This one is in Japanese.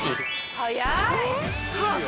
速い！